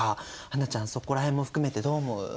英ちゃんそこら辺も含めてどう思う？